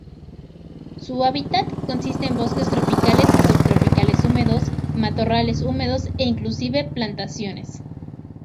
Su hábitat consiste de bosques tropicales y subtropicales húmedos, matorrales húmedos e inclusive plantaciones.